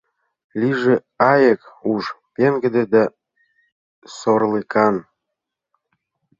Лийже айык уш, пеҥгыде да сорлыкан.